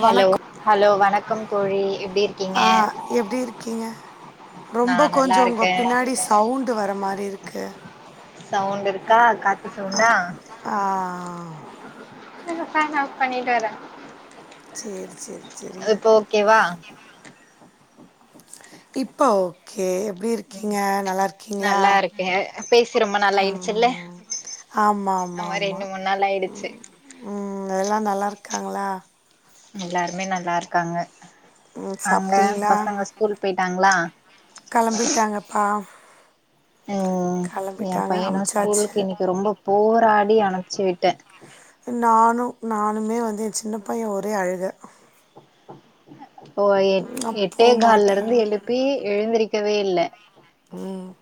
hello hello வணக்கம் தோழி எப்டி இருக்கீங்க ஆ எப்டி இருக்கீங்க நா ரொம்ப நல்லா கொஞ்சோ உங்க இருக்கே பின்னாடி சவுண்ட் வர மாதிரி இருக்கு சவுண்ட் இருக்கா காத்து ஆ சவுண்டா ஆ இருங்க பேன் ஆஃப் பண்ணிட்டு வரே செரி செரி செரிங்க இப்போ ஓகேவா இப்ப ஓகே எப்டி ம் இருக்கீங்க நல்லா இருக்கீங்களா நல்லா இருக்கே பேசி ரொம்ப நாள் ஆ ஆயிடுச்சுல்ல ஆமா ஆமா ஆமா ரெண்டு மூணு நாள் ஆயிடுச்சு ம் எல்லா நல்லா இரு க்காங்களா எல்லாருமே நல்லா இருக்காங்க ம் அங்க சாப்ட்டீங்களா பசங்க ஸ்கூல் போயிட்டாங்களா கெளம்பிட்டாங்கப்பா ம் என் கெளம்பிட்டாங்க பையனும் அம்ச்சாச்சு ஸ்கூலுக்கு இன்னைக்கு ரொம்ப போராடி அனுப் அமுச்சு விட்டேன் நானும் நானுமே வந்து என் சின்ன பையன் ஒரே அழுக [inaudible] ஓ எட் நா எட்டே கால்ல போமாட்டே இருந்து எழுப்பி எழுந்திருக்கவே இல்லை ம்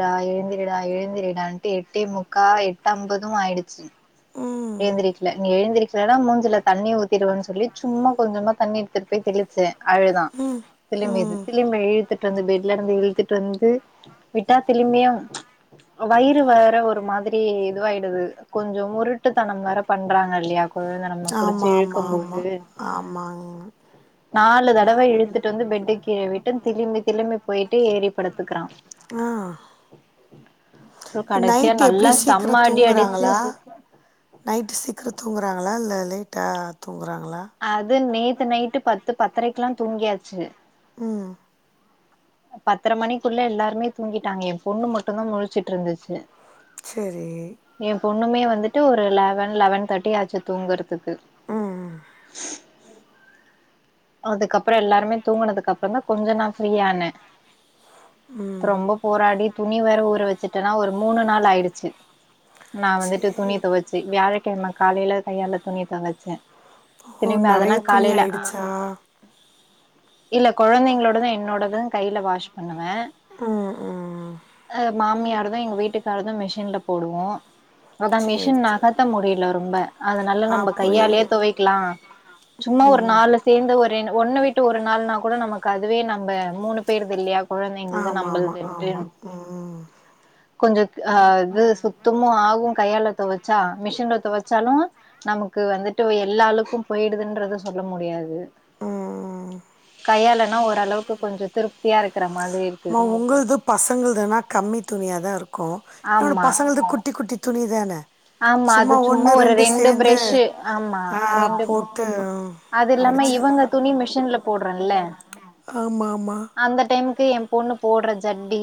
டா எழுந்திருடா எழுந்திரடான்ட்டு எட்டே முக்கா எட்டு ஐம்பதும் ஆயிடுச்சு ம் எழுந்திரக்கல நீ எழுந்திருக்கலனா மூஞ்சில தண்ணி ஊத்திடுவேன்னு சொல்லி சும்மா கொஞ்சமா தண்ணி எடுத்துட்டு போய் தெளிச்ச அழுதா திளிம்பி இது ம் திளிம்பி எழுதுட்டு பெட்ல இருந்து இழுத்துட்டு வந்து விட்டா திளிமியும் வயிறு வற ஒரு மாரி இதுவாயிடுது கொஞ்சம் உருட்டு ட்டு தனம் வர பண்றாங்க இல்லையா குழந்தை நம்ம புடிச்சு ஆமா ஆமா ஆமா இழுக்கும்போது ஆமாங்க நாலு தடவை இழுத்துட்டு வந்து பெட்டு கீழே விட்டு திரும்பி திரும்பி போயிட்டு ஏறிப்படுத்துக்கிறான் ஆ அப்புறம் கடைசியா நைட் எப்டி நல்லா செம்மயடிஅடிச்சு நைட் சீக்கிரம் தூங்குறாங்க நல்லா இல்ல லேட்டா தூங்குறாங்க அது நேத்து நைட்டு பத் த்து பத்தரைக்கெல்லா தூங்கியாச்சு உஹம் பத்திர மணிக்குள்ள எல்லாருமே தூங்கிட்டாங்க என் பொண்ணு மட்டும்தா முழிச்சிட்டு இருந்துச்சு சரி எ பொண்ணுமே வந்துட்டு ஒரு லெவன் லெவன் தேட்டி ஆச்சு தூங்கறதுக்கு ம் த்துக்கு அதுக்கப்புறம் எல்லாருமே தூங்கினதுக்கு அப்புறம்தா கொஞ்சம் நான் ஃப்ரீயானே ரொம்ப போராடி துணி வேற ஊற வச்சுட்டேன்னா ஒரு மூணு நாள் ஆயிடுச்சு நான் வந்துட்டு சேரி துணி துவச்சு வியாழக்கிழமைக்கு காலையில் கையால் துணி துவச்சேன் ஓ நிறைய துணியா ஆயிடுச்சா ஆஹ் இல்ல குழந்தைங்களோட தான் என்னோடதும் கையில வாஷ் பண்ணுவேன் ம் ம் அ மாமியாரதா எங்க வீட்டுக்காரர்தா மிஷின்ல போடுவோம் அதா சேரி மிஷின் சேரி நகத்த முடியல ரொம்ப அதனால ஆ நம்ம புரியுது கையாலயே தொவைக்கலா சும்மா ஒரு நாலு எந்த ஒரு ஒன்ன விட்டு ஒரு நாள்னா கூட நமக்கு அதுவே நம்ம மூணு பேர்து இல்லையா கொழந்தைங்களுது ஆமா ஆமா நம்மளதுன்ட்டு ஆமா ம் கொஞ்சம் அஹ் இது சுத்தமு ஆகு கையாள தொவச் சா மிஷின்ல தொவைச்சாலு நமக்கு வந்துட்டு எல்லா அலுக்கும் போயிடுதுன்றத சொல்ல முடியாது ம் கையால ஓரளவுக்கு கொஞ்சோ திரு சியாருக்கு அம்மா உங்குளுது பசங்களுதன்னா கம்மி துணியாத இருக்கு என்னோட ஆமா பசங்குளுது குட்டி குட்டி துணிதானே ஆமா அது சும்மா ஒன்னு ஒரு ரெண்டு சேந்து பிரஷ்ஷு ஆமா ஆ ரெண்டு போட்டு அது இல்லாம இவங்க துணி மிஷின்ல போடுறோல்ல [unintelligible] ஆமா ஆமா க்கு என் பொண்ணு போற ஜட்டி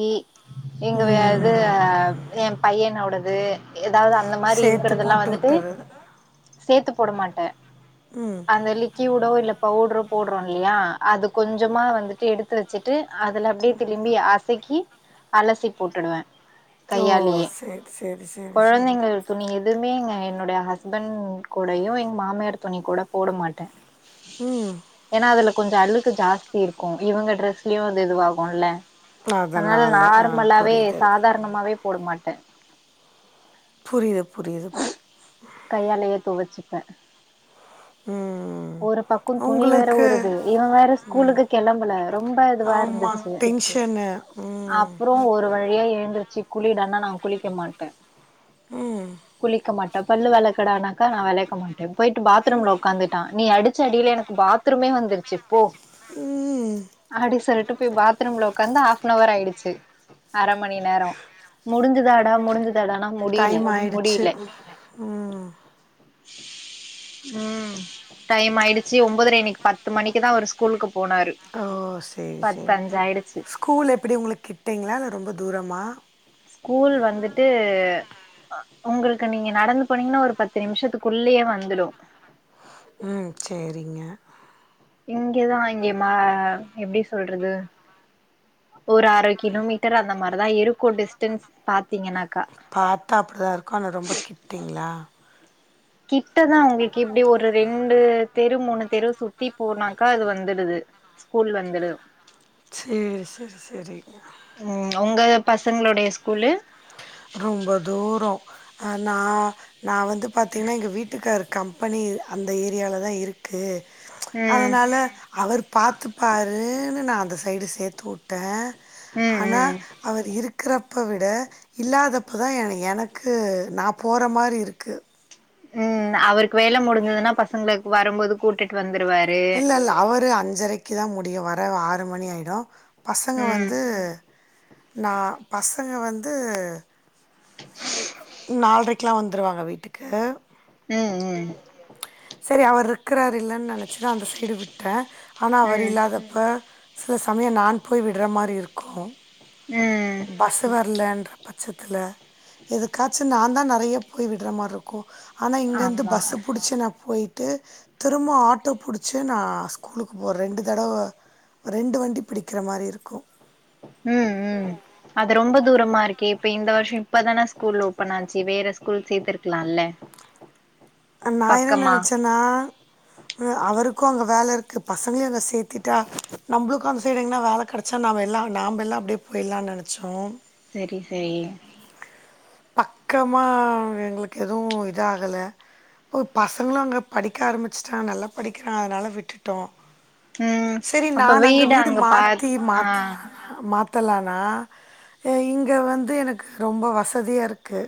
எங்கவே அது ம் எம் பையனோடது எதாவுது அந்த மாரி சேத்து இருக்குறதுல்லா போட்டு வந்துட்டு விட்டுறது சேத்து போட மாட்டே ம் அந்த லிக்கியூடோ இல்ல பவுட்ரோப் போட்ரோலியா அது கொஞ்சமா வந்துட்டு எடுத்து வச்சுட்டு அதுல அப்டியே திலிம்பி அசைக்கி அலசி போட்டுடுவே ஓ கையாலேயே சேர் சேரி சேரி சேரி இதுவுமே எங்க என்னுடைய ஹஸ்பண்ட் கூடையு எங் மாமியார் துணி கூட போட மாட்டே ம் ஏனா அதுலக் கொஞ்சோ அழுக்கு ஜாஸ்தி இருக்கு இவுங்க ட்ரெஸ்லயு இது இதுவாகுல்ல அதுனால அதனால ஆ நார்மல்லாவே புரியுது சாதாரணமாவே போடு மாட் ட்ட புரிது புரிது துவெச்சுப்பே ம் ஒரு பக்கோ துணி வேற உங்களுக்கு ஊருது இவன் வேற ஸ்கூலுக்கு கெளம்புல ரொம்ப இதுவா ஆமா இருந்துச்சு டென்ஷனு ம் அப்புறோ ஒரு வழியா எழுந்திருச்சு குளிடானா நா குளிக்க மாட்டே ம் குளிக்க மாட்டே பல்லு வெளக்குடானாக்கா நா வெலக் [unintelligible] ட்டேன் போயிட்டு பாத்ரூம்ல்ல உக் உக்காந்துட்டா நீ அடுச் ச்சடியில எனக் பாத்ரூமே வந்துரு ச்சு போ ம் அடி சொல்லிட்டு போய் பாத்ரூம்ல உக்காந்து ஆவ்னவர் ஆயிடுச்சு அர மணி நேரோ முடுஞ்சுதாடா முடுஞ்சு டைம் ஆயிடுச்சு உம் உம் டைம் ஆயிடுச்சு ஒன்பதரை இன்னிக் பத்து மணிக்குதா அவுரு ஸ்கூலுக்கு போனாரு ஓ செரி செரி பத்தஞ்சு ஆயிடுச்சு ஸ்கூல் எப்டி உங்களுக்கு கிட்டீங்களா இல்ல ரொம்ப தூரமா ஸ்கூல் வந்துட்டு உங்களுக்கு நீங்க நடந்து போனீங்கன்னா ஒரு பத்து நிமிஷத்துக்குள்ளயே வந்துடு உம் சேரிங்க இங்கதா இங்க மா எப்டி சொல்றது ஒரு அர கிலோமீட்டர் அந்த மாதிரிதா இருக்கு டிஸ்டன்ஸ் பாத்தீங்கன்னாக்கா பாத்தா அப்டிதா இருக்கு ஆனா ரொம்ப கிட்டீங்ளா கிட்டதா உங்களுக்கு இப்டி ஒரு ரெண்டு தெரு மூணு தெரு சுத்தி போனாக்கா அது வந்துருது ஸ்கூல் வந்துடு சேரி சேர் செரி ம் உங்க பசங்களுடைய ஸ்கூலு ரொம்ப தூரோ ஆனா நா வந்து பாத்தீங்கன்னா எங்க வீட்டுக்காரு கம்பெனி அந்த ஏரியாலதா இருக்கு ப்ச் ம் அதனால அவர் பாத்து பாருன்னு நா இந்த சைடு சேர்த்து வுட்ட ம் ஆனா ம் அவர் இருக் இருக்கிறப்ப விட இல்லாதப்பதா எனக்கு நா போர மாரி இருக்கு உம் அவருக்கு வேல முடிஞ்சதுன்னா பசங்களுக்கு வரும்போது கூட்டிட்டு வந் இல்ல இல்ல அவரு அஞ்சரைக்குதா முடியு வர ஆறு ட்டு மணி ஆயிடு பசங்க ம் வந்து நா பச ங்க வந்து நாலடரைக்கெல்லா வந்துருவாங்க வீட்டுக்கு உம் உம் சரி அவர்ருக்குறார் இல்லன்னு நெனைச்சுதா அந்த சைடு விட் ட ஆனா அவர் ம் இல்லாதப்ப சில சமயம் நான் போய் விடுற மாரி இருக்கு ம் பஸ்வர்லண்டுர் பச்சத்துல எதுக்காச்சு நான் தா நெறைய போய் விடுற மாரி இருக்கு ஆனா இங்கருந்து ஆமா பஸ்ஸு புடிச்சு நா போய் ட்டு திரும்ப ஆட்டோ புடிச்சி நா ஸ்கூலுக்கு போவ ரெண்டு தடவ ரெண்டு வண்டி பிடிக்கிற மாரி இருக்கு உம் உம் அது ரொம்ப தூரமா இருக்கே இப்ப இந்த வருஷ இப்பதான ஸ்கூல் ஓப்பன் ஆச்சு வேற ஸ்கூல் சேர்த்துக்கலால்ல அ நா என்ன நெனைச்சன்னா அவருக்கு அங்க வேல இருக்கு பசங்களையு அங்க சேத்துட்டா நம்பளுக்கு அந்த சைடு எங்கனா வேல கெடச்சா நாம எல்லா நாம்ப எல்லா அப்டியே போயிடலான்னு நெனைச்சோ சரி சரி பக்கமா எங்களுக்கு எதுவு இதாகல இப்போ பசங்களு அங்க படிக்க ஆரம்பிச்சுட்டாங்க நல்லா படிக்கிறா அதனால விட்டுட்டோ ம் சரி அப்ப நான் அங்க வீடு பா மாத்தி ஆ மாத்தலா மா த்தலானா இ இங்க வந்து எனக்கு ரொம்ப வச் சதியாக இருக்கு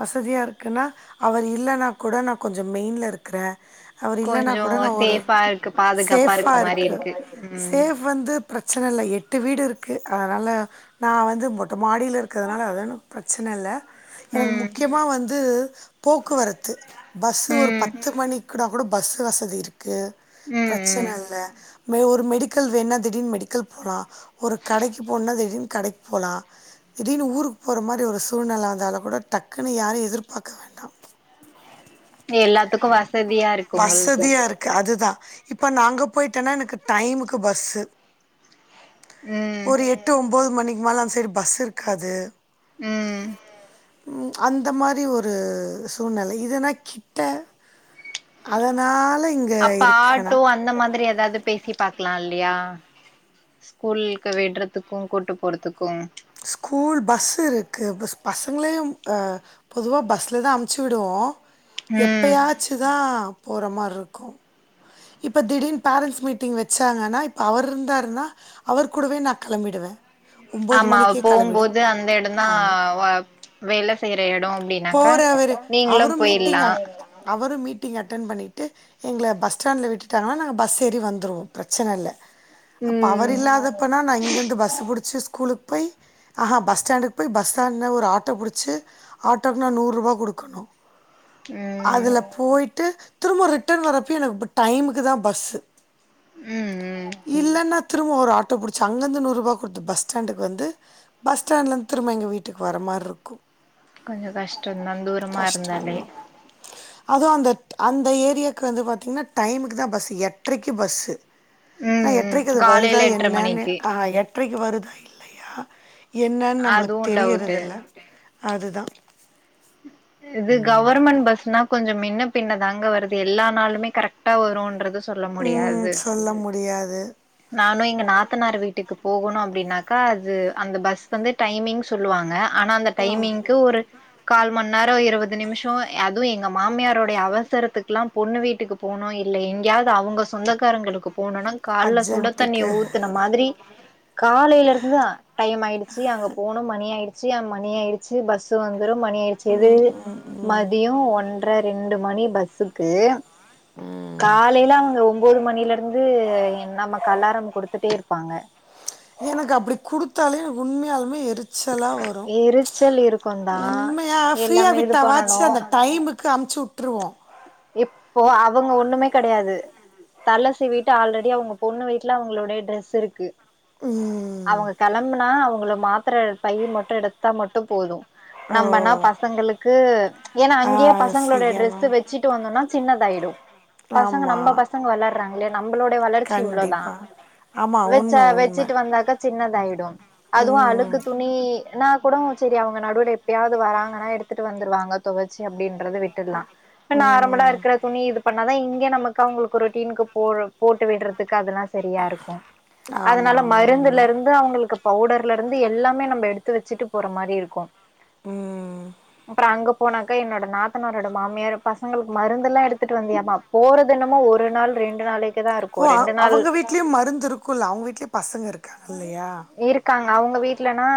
வசதியா இருக்குன்னா அவர் இல்லன்னா கூட நா கொஞ்சொ மெயின்ல இருக்குறே அவர் இல்லன்னா கொஞ்சோ கூட நா ஒரு சேஃபா இருக்கு பாதுகாப்பா சேஃபா இருக்க மாரி இருக்கு ம் சேஃப் வந்து பிரச்சன இல்ல எட்டு வீடு இருக் இருக்கு அதனால நா வந்து மொட்ட மாடியில இருக்கறதுனால அதோட பிர சன இல்ல எனக்கு ம் முக்கியமா வந்து போக்குவரத்து பஸ் ஒரு ம் பத்து மணி கூட கூட பஸ் வசதி இருக் க்கு ம் ம் பிரச்சன இல்ல மெ ஒரு மெடிக்கல் வேணா திடீர்னு மெடிக்கல் போலா ஒரு கடைக்கு போண்னா திடீர்னு கடைக்கு போலா திடீர்னு ஊருக்கு போற மாரி ஒரு சூழ்நில வந்தால கூட டக்குன்னு யாரையு எதிர்பார்க்க வேண்டா எல்லாத்துக்கு வசதியா இருக்கு உங்களுக்கு வசதியா இருக்கு அதுதா இப்ப நாங்க போயிட்டேன்னா எனக்கு டைமுக்கு பஸ்ஸு ம் ஒரு எட்டு ஒம்போது மணிக்கு மேல அந்த சைடு பஸ் இருக்காது உம் உ அந்த மாரி ஒரு சூழ்நிலை இதுன்னா கி ட்ட அதனா அப்ப ஆட்டோ அந்த மாதிரி எதாவது பேசி பாக்கலா இல் யா ஸ்கூலுக்கு விட்றதுக்கு கூட்டு போறதுக்கும் ஸ்கூல் பஸ்ஸு இருக்கு பஸ் பசங்களையும் அ பொதுவா பஸ்ல தா அம்ச்சு விடுவோ ம் எப்பயாச்சு தா போற மார்ருக்கூ இப்போ திடீர்ன் பேரண்ட்ஸ் மீட்டிங் வெச்சாங்கன்னா இப்ப அவர்ருந்தாருன்னா அவர் கூடவே நா கெளம்பிடுவே ஒம்போது ஆமா அவ மணிக் போம்போது அந்த எடந்தா வ வேல செய்ற எடோ அப்டின்னாக்கா போறாவரு நீங்ளு அவரு மீட்டிங் போயிட்லா அட் அவரு மீட்டிங் அட்டன் பண்ணிட்டு எங்கள பஸ்டாண்ட்ல விட்டுட்டாங்கனா நாங்க பஸ் ஏறி வந்துருவோ பிரச்சன இல்ல அப்ப அவர் ம் இல்லாத அப்பனா நா இங்கிந்து பஸ் புடிச்சு ஸ் கூலுக் போயி ஆஹா பஸ் ஸ்டாண்டுக்கு போய் ஆஹா பஸ்டாண்டுக் போயி பஸ்ஸா என்ன ஒரு ஆட்டோ புடிச்சு ஆட்டோக் நா நூர்ருவா குடுக்கணு ம் அதுல போயிட்டு திரும்ப ரிட்டன் வரப்பயு எனக்கு ப் டைமுக்கு தா பஸ்ஸு ம் ம் இல்லன்னாத் திரும்ப ஒரு ஆட்டோ புடிச்சு அங்கந்து நூர்ருபா குடுத்து பஸ்டாண்டுக்கு வந்து பஸ்டாண்ட்லந் திரும்ப எங்க வீட்டுக்கு வர மார் இருக்கு கொஞ்சோ கஷ்டோந்தா தூரமா இருந்தாலே கஷ்டந்தா அதுவு அந்தட் அந்த ஏரியாவுக்கு வந்து பாத்தீங்கன்னா டைமுக்கு தா பஸ்ஸு எட்ரைக்கு பஸ்ஸு ஆனா ம் ம் எட்ரைக்கு அது வருதா காலைல எட்ர என்னான்னு மணிக்கு ஆஹ் எட்ரைக்கு வருதா இல்லையா என்னன் நம்புளுக் அதுவு டவுட்டு தெரியிறது இல்ல அதுதா இது கவர்மெண்ட் பஸ்னா கொஞ்சோ மின்னப் பின்ன தாங்க வருது எல்லா நாளுமே கரெக்டா வருன்றது சொ சொல்ல ம் முடியாது சொல்ல முடியாது நானு எங்க நாத்தனார் வீட்டுக்கு போகுணு அப்டின்னாக் க்கா அது அந்த பஸ் வந்து டைமிங் சொல்லுவாங்க ஆனா அந்த ஆ டைமிங்க்கு ஒரு கால் மண் நேரோ இருவது நிம்ஷோ அதுவு எங்க மாமியாரோடைய அவசரத்துக்லா பொண்ணு வீட்டுக்கு போணு இல்ல எங்கியாவ்து அவுங்க சொந்தக்காரங்களுக்கு போணுனா கால்ல சுட தண்ணிய அர்ஜென்ட்டுக்கு ஊத்துன மாதிரி காலைலருந்துதா டைம் ஆயிடுச்சு அங்க போணு மணி ஆயிடு ச்சி மணி ஆயிடுச்சி பஸ்சு வந்துரு மணி கிது மதியோ ஒன்ற ரெண்டு மணி பஸ் ஸ்க்கு காலைல அவுங்க ஒம்போது மணிலருந்து எ நமக்கு அலாரம் குடுத்துட்டே இருப்பாங்க எனக்கு அப்படி குடுத்தாலே உண்மையாலுமே எரு எரிச்சலா வரும் ச்சு எரிச்சல் இருக்குந்தா உண்மையா ஃப்ரீயா எல்லாமே இது விட்ட வாச்சு பண்ணனு அந்த டைமுக்கு அம் சுட்டுருவோம் இப்போ அவங்க ஒண்ணுமே கெடையாது தல சீவீட்டு ஆல்ரெடி அவங்க பொண்ணு வீட்டுல அவங்களுடைய ட்ரெஸ் இருக்கு ம் அவங்க கிளம்புனா அவங் உங்கள மாத்திர பை மட்டும் எடுத்தா மட்டும் போதும் நம்மனா ஓ பசங்களுக்கு ஏன்னா ஆ அங்கேயே பசங்களுடைய ட்ரெஸ் செய்யணும் வெச் ட்டுவாங்க ஆனா சின்னதாயிடும் பசங்க நம்ப ஆமாம் பசங்க வளர்றாங்களே நம்பளோடைய வளர்ச்சி இவ்ளோ தா கண்டிப்பாக ஆமாம் வச்சா உண்மை உண்மை வச்சுட்டு வந்தாக்கா சின்னத தா ஆயிடும் அதுவு ம் அழுக்கு துணினா கூட செரி அவுங்க நடுவில எப்டியாவது வராங்கனா எடுத்துட்டு வந்துடுவாங்க துவச்சி அப்டினு அத விட்டுற்லா நா ஆரம்படா ம் இருக்குற துணி இது பண்ணாதா இங்கே நமக்கு அவுங்களுக்கு ரொட்டீனுக்கு போடற போட்டு விடுறதுக்கு அதெல்லா சரியா இருக்கும் ஆமாம் அதனால ஆமாம் மருந்துல உண்மை இருந்து அவுங்குளுக்கு பவுடர்ல இருந்து எல்லாமே நம்ப எடுத்து வச்சுட்டு போற மாரி இருக்கும் ம் பிரா அங்கு போனாக்கா என்னோட நாத்தனாரோட மாமியாரு பசங்களுக்கு மருந்தெல்லா எடுத்துட்டு வந்தியாமா போறது என்னமோ ஒரு நாள் ரெண்டு நாளை ஓ அவு அவுங்க வீட்லயும் மருந்து இருக்குல அவுங்க வீட்லயும் பசங்க இருக்காங்க இல்லையா இருக்காங்க அவங்க வீட்லனா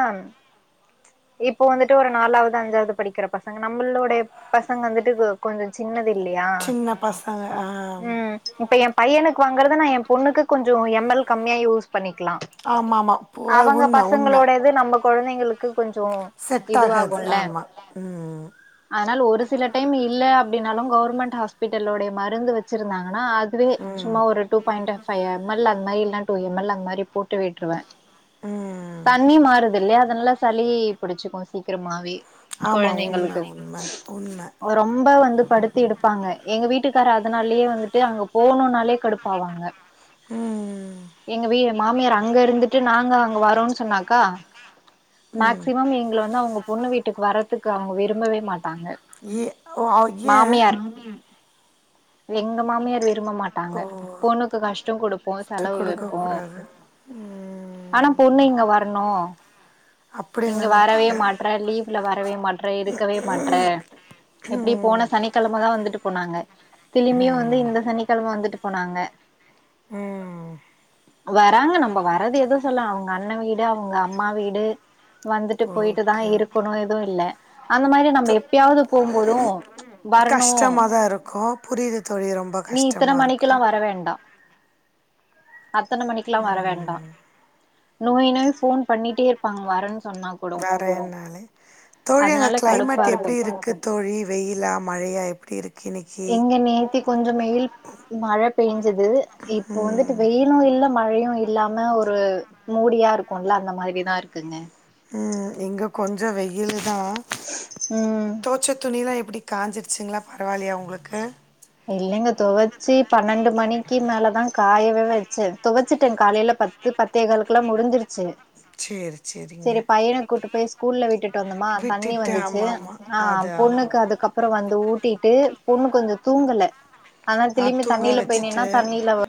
இப்போ வந்துட்டு ஒரு நாலாவது அஞ்சாவது படிக்கிற பசங்க நம்மளுடைய பசங்க வந்துட்டு ஒ கொஞ்சோ சின்னதே இல்லியா சின்ன பசங்க ஆ ம் இப்ப என் பையனுக்கு வாங்குறது நா என் பொண்ணுக்கு கொஞ்சோ கொஞ்சோ எம் எல் கம்மியா யூஸ் பண்ணிக்கலா ஆமாம் ஆமாம் போ- அது அவங்க உண்மை உண்மை பசங்களுடையது நம்ப கொழந்தைங்களுக்கு கொஞ்சோ செட் ஆகாது இதுவாகுல ஆமாம் ம் அதனால ஒரு சில டைம் யூ இல்ல அப்டினாலும் கவுர்மெண்ட் ஹாஸ்பிட்டலுடைய மருந்து வச்சிருந்தாங்க ஆனா அதுவே சும்மா ஒரு two point of five M L அது மாரி இல்ல டூ எம் எல் அந்த மாரி போட்டு விட்டுருவே ம் தண்ணி மாறுது இல்லையா நல்லா சளி புடிச்சிக்கும் சீக்கிரமாவே ஆமா உண்ம உண்ம உண்ம ரொம்போ வந்து படுத்து எடுப்பாங்க எங்க வீட்டுக்கார் அதுனாலயே வந்துட்டு அங்க போணுனாலே கடுப்பாவாங்க ம் எங்க வீ மாமியாரு அங்க இருந்துட்டு நாங்க வரு சொன்னாக்கா மேக்சிமம் எங்கள வந்து அவுங்க பொண்ணு வீட் டுக்கு வரதுக்கு அவுங்க விரும்பவே மாட் டாங்க ஏ ஓ அவ் ஏ எங்க மாமியார் விரும்ப மாட்டாங்க ஓ பொண்ணுக்கு கஷ்டம் குடுப்போம் விட்டு செலவு வப்போம் கொடுக்கக்கூடாது ஆனா ம், பொண்ணு இங்க வரணும் அப்படி இங்க வரவே நினைப்பாங்க மாட்றா லீவ்ல வரவே மாட்ற இருக்கவே மாட்ற எப்டி போன சனிக்கெழமதா வந்துட்டு போனாங்க திளிமியும் வந்து இந்த சனி கெழம வந்துட்டு போனாங்க ம் வராங்க நம்ம வரது எதோ சொல்ல அவங்க அண்ணன் வீடு அவங்க அம்மா வீடு வந்துட்டு போயிட்டு ஓகே ஓகே தானஇருக்கணு எதுவும் இல்ல அந்த மாரி நம்ம எப்பயாவது போம் பொறும் வரணு புரியிது நீ இத்தன மணிக்குலா வரவேண்டா அத்தனை மணிக்குலா வர வேண்டா நோய் நொய் ஃபோன் பண்ணிட்டே இருப்பாங்க வரன் வேற என்னாலே தோழி அங்க அதனால கடுப்பா கிளைமேட் எப்டி இருக்கு தோழி வெயிலா மழையா எப் டிருக் எங்க நேத்தி கொஞ்ச மெயில் மழை பேஞ்சுது இப்ப வந்துட்டு வெயிலும் இல்ல மழையும் இல்லாம ஒரு மூடியா இருக்குல்ல அந்த மாரிதான் இருக்குங்க ம் இங்க கொஞ்சோ வெயில் தா ம் தோச்ச துணில்லா எப்பிடி காஞ்சிருச்சுங்களா பரவாயில்லையா உங்களுக்கு இல்லங்க தொவைச்சி பன்னெண்டு மணிக்கு மேலதா காயவே வச்சேன் துவச்சட்டேன் காலையில பத்து பத்தே காலுக்கெல்லா முடிஞ்சிருச்சு சரி சரிங்க சரி பையன கூட்டு போய் ஸ்கூல்ல விட்டுட்டு வந்தமா தண்ணி விட்டுட்டு வந்துச்சு ஆமாம் ஆமாம் ஆ அது பொண்ணுக்கு ஆகும் அதுக்கப்புற வந்து ஊட்டி பொ பொண்ணு கொஞ்சோ தூங்கல அதனா ஆ திலும்பி தூங்க தண்ணில போய் நின்னா தண்ணில வச்சுட்டு வ